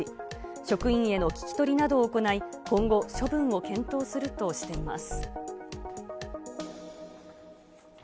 職員への聞き取りなどを行い、今後、処分を検討するとしています。